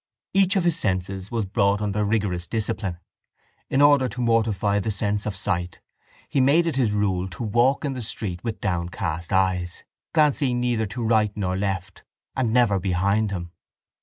Each of his senses was brought under a rigorous discipline. In order to mortify the sense of sight he made it his rule to walk in the street with downcast eyes, glancing neither to right nor left and never behind him.